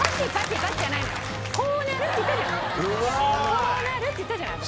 こうなるって言ったじゃん私。